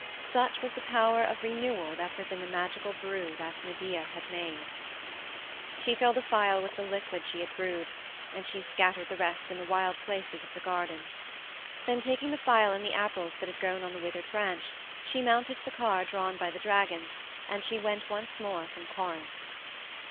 Such was the power of renewal that was in the magical brew that Medea had made. She filled a phial with the liquid she had brewed, and she scattered the rest in the wild places of the garden. Then, taking the phial and the apples that had grown on the withered branch, she mounted the car drawn by the dragons, and she went once more from Corinth.